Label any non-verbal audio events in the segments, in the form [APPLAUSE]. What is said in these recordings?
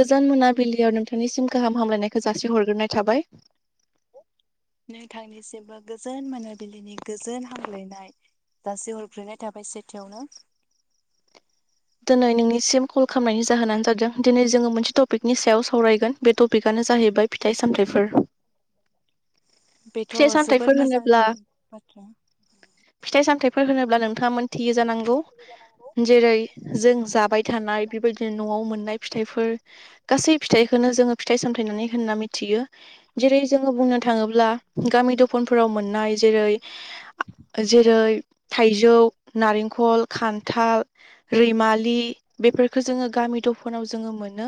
गोजान मोनाबिलियाव नोंथांनिसिम गाहाम हामलायनायखौ जासि हरग्रोनाय थाबाय। नोंथांनिसिमबो गोजोन मोनाबिलिनि गोजोन हामगलायनाय जासि हरग्रोनाय थाबाय सेथियावनो। दिनै नोंनिसिम कल खालामनायनि जाहोनानो जादों दिनै जोङो मोनसे टपिकनि सायाव सावरायगोन बे टपिकआनो जाहैबाय फिथाइ सामथाइफोर बेथ' फिथाइ जोबोर सामथाइफोर होनोब्ला मोजांनि बाथ्रा। फिथाइ सामथायाइफोर होनोब्ला नोंथाङा मोनथियो जानांगौ जेरै जों जाबाय थानाय बेबायदिनो न'आव मोननाय फिथाइफोर गासै फिथाइखोनो जोङो फिथाइ सामथाय होननानै होनना मिथियो। जेरै जोङो बुंनो थाङोब्ला गामि दफनफोराव मोननाय जेरै जेरै थाइजौ नारेंखल खान्थाल रैमालि बेफोरफोरखो जोङो गामि दफानाव जोङो मोनो।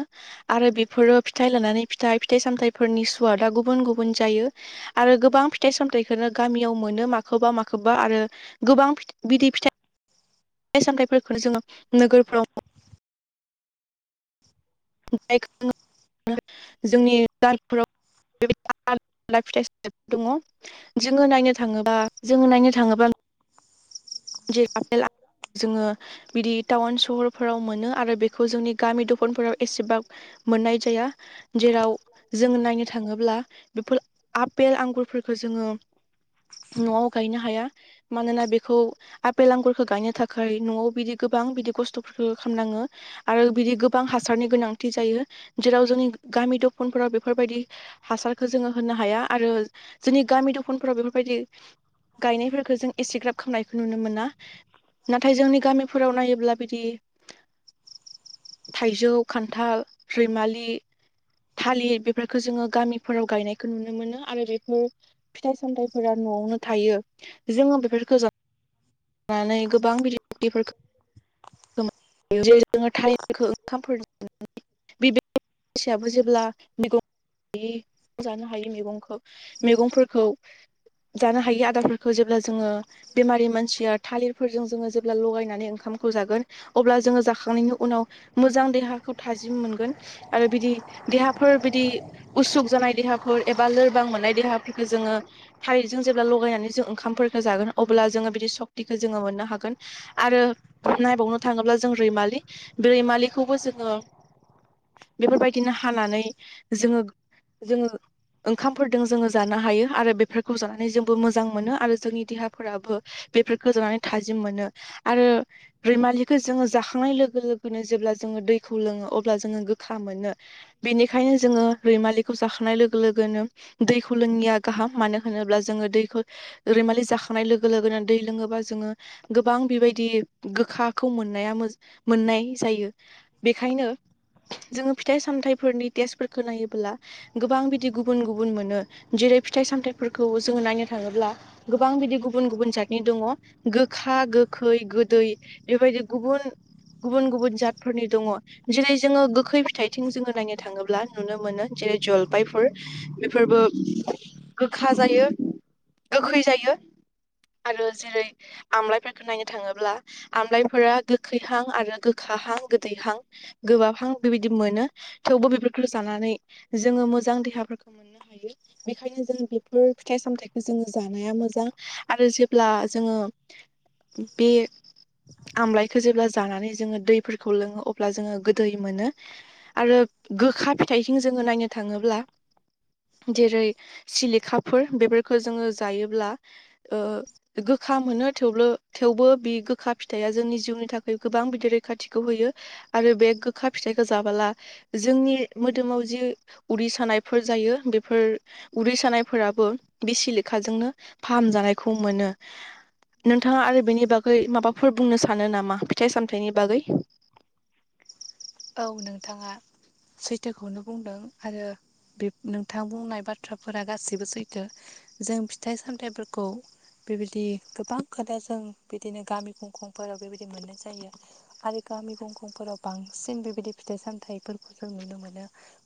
आरो बेफोरो फिथाइ लानानै फिथाइ फिथाइ सामथाइफोरनि सुवादा गुबुन -गुबुन जायो। आरो गोबां फिथाइ सामथाइखौनो गामियाव मोनो माखोबा माखोबा आरो गोबां फिथा बिदै फिथाइ फिथाय-सामथायफोरखौ जोङो नोगोरफ्राव [UNINTELLIGIBLE] जोंनि गामिफोराव बिबादिनो आलदा आलदा फिथाइ सामथाइफोर दङ। जोङो नायनो थाङोबा जोङो नायनो थाङोबा [UNINTELLIGIBLE] जोङो बिदि टाउन सहरफोराव मोनो आरो बेखौ जोंनि गामि दखनफोराव एसेबां मोननाय जाया। जेराव जोङो नायनो थाङोब्ला बेफोर आपेल आंगुरफोरखौ जोङो न'आव गायनो हाया मानोना बेखौ आपेल आंगुरखौ गायनो थाखाय न'आव बिदि गोबां बिदि खस्थ'फोरखो खामनाङो। आरो बिदि गोबां हासारनि गोनांथि जायो। जेराव जोंनि गामि दफनफोराव बेफोरबायदि हासारखौ जोङो होनो हाया आरो जोंनि गामि दफानफोराव बेफोरबायदि गायनायफोरखौ जों एसेग्राब खामनाय नुनो मोना। नाथाय जोंनि गामिफोराव नायोब्ला बिदि थाइजौ, खान्थाल, रैमालि थालिर बेफोरखौ जोङो गामिफोराव गायनायखौ नुनो मोनो आरो बेफोर फिथाइ सामथाइफोरा न'आवनो थायो। जोङो बेफोरखौ जा नानै गोबां बिदि-बिदिफोरखौ जेरै जोङो थारि न खो ओंखामफोर मानसियाबो जेब्ला मेगं जानो हायो मेगंखौ मेगंफोरखौ जानो हायि आदारफोरखौ जेब्ला जोङो बेमारि मानसिया थालिरफोरजों जोङो जेब्ला लगायनानै ओंखामखौ जागोन अब्ला जोङो जाखांनायनि उनाव मोजां देहाखौ थाजिम मोनगोन। आरो बिदि देहाफोर बिदि उसुख जानाय देहाफोर एबा लोरबां मोननाय देहाफोरखो जोङो थालिरजों जेब्ला लगायनानै जों ओंखामफोरखो जागोन, अब्ला जोङो बिदि सक्तिखौ जोङो मोननो हागोन। आरो नायबावनो थाङोब्ला जों रैमालि, बे रैमालिखौबो जोङो बेफोरबायदिनो हानानै जोङो-जोङो ओंखामफोरजों जोङो जानो हायो आरो बेफोरखौ जानानै जोंबो मोजां मोनो आरो जोंनि देहाफोराबो बेफोरखौ जानानै थाजिम मोनो। आरो रैमालिखौ जोङो जाखांनाय लोगो लोगोनो जेब्ला जोङो दैखौ लोङो अब्ला जोङो गोखा मोनो। बेनिखायनो जोङो रैमालिखौ जाखांनाय लोगो लोगोनो दैखौ लोंङिया गाहाम मानो होनोब्ला जोङो दैखौ रैमालि जाखांनाय लोगो लोगोनो दै लोङोबा जोङो गोबां बेबायदि गोखाखौ मोननाया मोननाय जायो। बेखायनो जोङो फिथाइ सामथाइफोरनि टेस्टफोरखौ नायोब्ला गोबां बिदि गुबुन गुबुन मोनो। जेरै फिथाइ सामथाइफोरखौ जोङो नायनो थाङोब्ला गोबां बिदि गुबुन गुबुन जातनि दङ। गोखा, गोखै, गोदै, बेबायदि गुबुन-गुबुन गुबुन जातफोरनि दङ। जेरै जोङो गोखै फिथाइथिं जोङो नायनो थाङोब्ला नुनो मोनो जेरै जलफायफोर। बेफोरबो गोखा जायो, गोखै जायो। आरो जेरै आमलायफोरखौ नायनो थाङोब्ला आमलायफोरा गोखैहां आरो गोखाहां‌ गोदैहां। गोबाबहां बेबायदि मोनो। थेवबो बेफोरखौ जानानै जोङो मोजां देहाफोर बेखायनो जों बेफोर फिथाइ सामथाइखौ जोङो जानाया मोजां। आरो जेब्ला जोङो, बे आमलायखौ जेब्ला जानानै जोङो दैफोरखौ लोङो, अब्ला जोङो गो दै मोनो आरो गोखा फिथाइथिं जोङो नायनो थाङोब्ला जेरै सेलेखाफोर बेफोरखौ जोङो जायोब्ला गोखा मोनो थेवबो थेवबो बे गोखा फिथाइया जोंनि जिउनि थाखाय गोबां बिदि रैखाथिखौ होयो। आरो बे गोखा फिथाइखौ जाबोला जोंनि मोदोमाव जि उदै सानायफोर जायो बेफोर उदै सानायफोराबो बे सिलेखाजोंनो फाहामजानायखौ मोनो। नोंथाङा आरो बेनि बागै माबाफोर बुंनो सानो नामा? फिथाइ सामथायाइनि बागै? औ नोंथाङा सैथोखौनो बुंदों। आरो। बे नोंथां बुंनाय बाथ्राफोरा गासैबो सैथो। जों फिथाइ सामथाइफोरखौ बेबायदि गोबां खोथा जों बिदिनो गामि खुंखंफोराव बेबायदि मोननाय जायो। आरो गामि गंखंफोराव बांसिन बेबायदि फिथाइ सामथाइफोरखौ जों नुनो मोनो।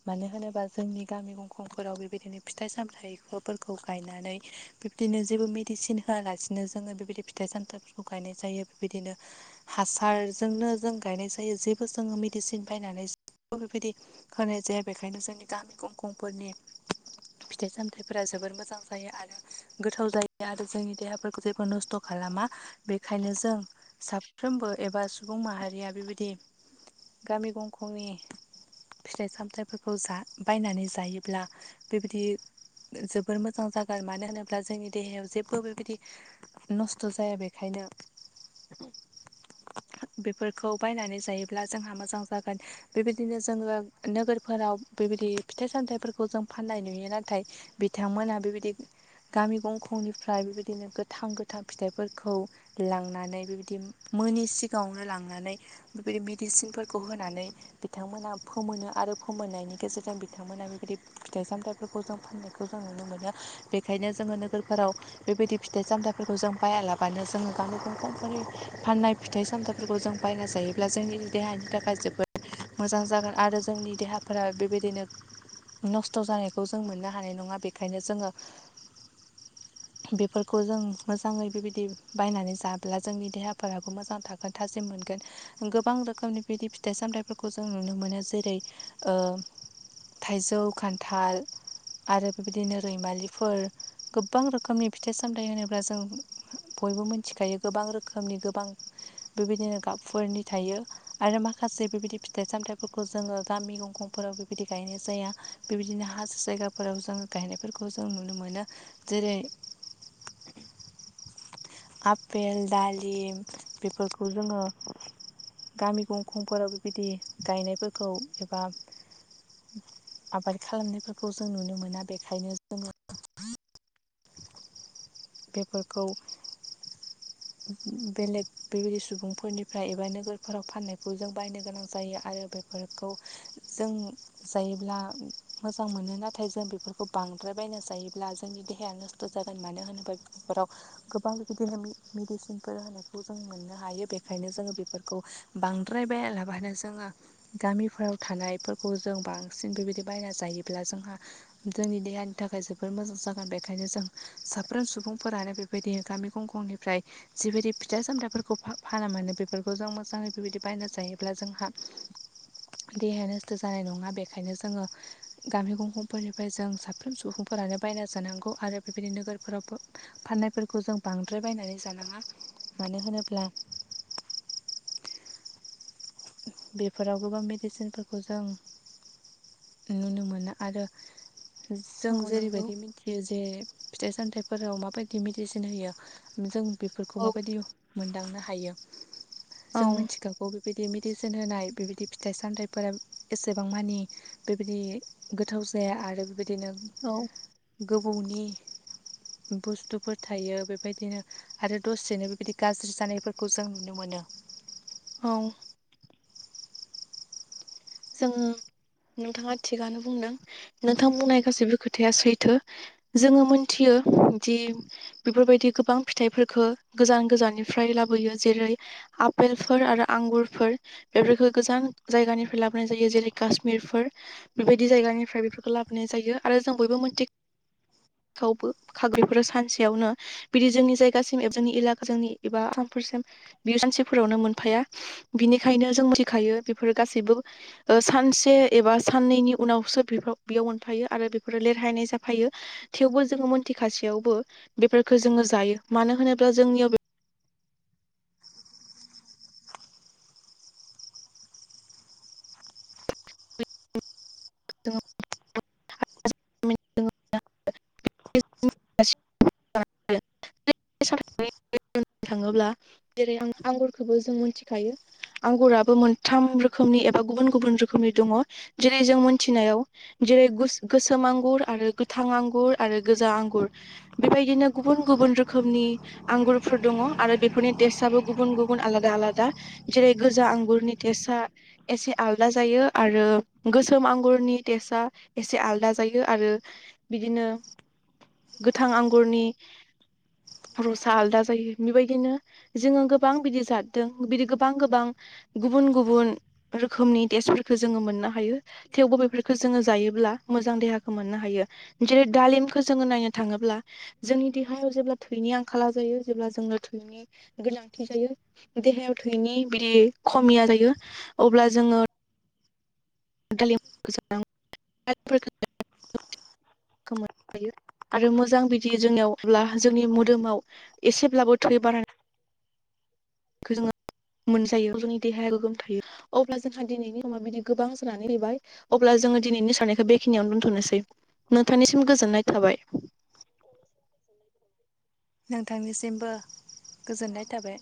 मानो होनोबा जोंनि गामि गंखंफोराव बेबायदिनो फिथाइ सामथाइफोरखौ गायनानै बिबायदिनो जेबो मेडिसिन होआलासिनो जोङो बेबायदि फिथाइ सामथाइफोरखौ गायनाय जायो बेबायदिनो। हासारजोंनो जों गायनाय जायो जेबो जोङो मेडिसिन बायनानै जेबो बेबायदि होनाय जाया बेखायनो जोंनि गामि गंखंफोरनि फिथाइ सामथाइफोरा जोबोर मोजां जायो आरो गोथाव जायो आरो जोंनि देहाफोरखौ जेबो नस्थ' खालामा बेखायनो जों साफ्रोमबो एबा सुबुं माहारिया बेबायदि गामि गंखंनि फिथाइ सामथाइफोरखौ जा बायनानै जायोब्ला बेबायदि जोबोर मोजां जागोन मानो होनोब्ला जोंनि देहायाव जेबो बेबायदि। नस्थ' जाया बेखायनो बेफोरखौ बायनानै जायोब्ला जोंहा मोजां जागोन। बेबायदिनो जोङो नोगोरफोराव बेबायदि फिथाइ सामथाइफोरखौ जों फाननाय नुयो नाथाय बिथांमोना बेबायदि गामि गंखंनिफ्राय बेबायदिनो गोथां गोथां फिथाइफोरखौ लांनानै बेबायदि मोनोनि सिगाङावनो लांनानै बे मेडिसिनफोरखौ होनानै बिथांमोना फोमोनो आरो फोमोननायनि गेजेरजों बिथांमोना बेबायदि फिथाइ सामथाइफोरखौ जों फाननायखौ जों नुनो मोनो बेखायनो जोङो नोगोरफोराव बेबायदि फिथाइ सामथाइफोरखौ जों बायालाबानो जोङो गामानि फाननाय। फिथाइ सामथाइफोरखौ जों बायना जायो। अब्ला जोंनि देहानि थाखाय जोबोद मोजां जागोन आरो जोंनि देहाफोरा बेबायदिनो नस्थ' जानायखौ जों मोननो हानाय नङा बेखायनो जोङो बेफोरखौ जों मोजाङै बेबायदि बायनानै जाब्ला जोंनि देहाफोराबो मोजां थागोन। खोनथासिम मोनगोन। गोबां रोखोमनि बिदि फिथाइ सामथायफोरखौ जों नुनो मोनो। जेरै ओ थाइजौ, खान्थाल आरो बेबायदिनो रैमालिफोर गोबां रोखोमनि फिथाइ सामथायाइ होनोब्ला जों बयबो मिथिखायो गोबां रोखोमनि गोबां बिबायदिनो गाबफोरनि थायो आरो माखासे बेबायदि फिथाइ सामथाइफोरखौ जोङो गामि गंखंफोराव बेबायदि गायनाय जाया। बेबायदिनो हाजो जायगाफोराव जोङो गायनायफोरखौ जों नुनो मोनो जेरै [UNINTELLIGIBLE] आफपेल दालिम बेफोरखौ जोङो गामि गंखंफोराव बेबायदि गायनायफोरखौ एबा आबाद खालामनायफोरखौ जों नुनो मोना बेखायनो जोङो [UNINTELLIGIBLE] बेफोरखौ बेलेग बेबायदि सुबुंफोरनिफ्राय एबा नो बेफोराव फाननायखौ जों बायनो गोनां जायो आरो बेफोरखौ जों जायोब्ला मोजां मोनो नाथाय जों बेफोरखौ बांद्राय बायना जायोब्ला जोंनि देहाया नो द' जागोन मानो होनोबा बिफोराव गोबां बिदिनो मेडिसिनफोर होनायखौ जों मोननो हायो बेखायनो जोङो बेफोर खौ बांद्राय बायलाबायानो जोङो गामिफोराव थानायफोरखौ जों बांसिन बेबायदि बायना जायोब्ला जोंहा जोंनि देहानि थाखाय जोबोर मोजां जागोन बेखायनो जों साफ्रोम सुबुंफोरानो बेफ बेबायदि गामि गंखंनिफ्राय जिबायदि फिथा सामथ्राफोरखौ फाना मोनो बेफोरखौ जों मोजाङै बेबायदि बायना जायोब्ला जोंहा देहाया नस्थ' जानाय नङा बेखायनो जोङो गामि गंखंफोरनिफ्राय जों साफ्रोम सुबुंफो फोरानो बायना जानांगौ आरो बेबायदि नोगोरफोरावबो फाननायफोरखौ जों बांद्राय बायनानै जानाङा मानो होनोब्ला बेफोराव गोबां मेडिसिनफोरखौ जों नुनो मोना आरो औ जों नंगौ जेरैबायदि मिथि जे फिथाइ सामथाइफोराव माबायदि मेडिसिन होयो जों बेफोरखौ औ माबायदि मोनदांनो हायो औ जों मिथिखागौ बेबायदि मेडिसिन होनाय बेबायदि फिथाइ सामथाइफोरा एसेबां मानि बेबायदि गोथाव जाया आरो बेबायदिनो औ गोबौनि बुस्थुफोर थायो बेबायदिनो आरो दसेनो बेबायदि गाज्रि जानायफोरखौ जों नुनो मोनो। औ जों नोंथाङा थिगानो बुंदों नोंथां बुंनाय गासैबो खोथाया सैथो जोङो मोनथियो दि बेफोरबायदि गोबां फिथाइफोरफोरखो गोजान गोजाननिफ्राय लाबोयो जेरै आफेलफोर आरो आंगुरफोर बेफोरखौ गोजान जायगानिफ्राय लाबो नाय जायो जेरै काश्मिरफोर बेबायदि जायगानिफ्राय बेफोरखौ लाबोनाय जायो आरो जों बयबो मिथि खौबो खाग्रिफोर सानसेयावनो बिदि जोंनि जायगासिम एबा जोंनि एलका जोंनि एबा आसामफोरसिम बियो मानसिफोरावनो मोनफाया बिनिखायनो जों मिथिखायो बेफोर गासैबो ओ सानसे एबा साननैनि उनावसो बेफोराव बेयाव मोनफायो आरो बेफोरो लेरहायनाय जाफायो। थेवबो जोङो मोनथिखासेयावबो बेफोरखौ जोङो जायो मानो होनोब्ला जोंनियाव [UNINTELLIGIBLE] [INAUDIBLE] [UNINTELLIGIBLE] थाङोब्ला जेरै आं आंगुरखौबो जों मिथिखायो। आंगुराबो मोनथाम रोखोमनि एबा गुबुन गुबुन रोखोमनि दङ जेरै-जों मोनथिनायाव जेरै गुस गोसोम आंगुर आरो गोथां आंगुर आरो गोजा आंगुर बेबायदिनो गुबुन गुबुन रोखोमनि आंगुरफोर दङ आरो बेफोरनि टेस्टआबो गुबुन गुबुन आलादा आलादा। जेरै -गोजा आंगुरनि तेसा एसे आलदा जायो आरो गोसोम आंगुरनि टेस्टआ एसे आलदा जायो आरो बिदिनो गोथां आंगुरनि [INAUDIBLE] रसा आलदा जायो बेबायदिनो जोङो गोबां बिदि जादों बिदि गोबां गोबां गुबुन गुबुन रोखोमनि टेस्टफोरफोरखौ जोङो मोननो हायो। थेवबो बेफोरखौ जोङो जायोब्ला मोजां देहाखौ मोननो हायो। जेरै-दालिमखौ जोङो नायनो थाङोब्ला जोंनि देहायाव जेब्ला थैनि आंखाला जायो जेब्ला जोंनो थैनि गोनांथि जायो देहायाव थैयनि बिदि खमिया जायो अब्ला जोङो दालामखौ [UNINTELLIGIBLE] खौ मोननो हायो आरो मोजां बिदि जोंनियावब्ला जोंनि मोदोमाव एसेब्लाबो थै बारा खौ जोङो मोनजायो जोंनि देहाया गोगोम थायो अब्ला जोंहा दिनैनि निमा बिदि गोबां जानानै फैबाय अब्ला जोङो दिनैनि साननायखौ बेखिनियावनो दोन्थ'नोसै नोंथांनिसिम गोजोननाय थाबाय। नोंथांनिसिमबो गोजोननाय थाबाय।